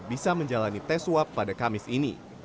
bisa menjalani tes swab pada kamis ini